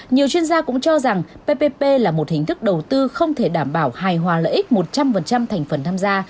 nhiều chuyên gia cũng cho rằng ppp là một hình thức đầu tư không thể đảm bảo hài hòa lợi ích một trăm linh thành phần tham gia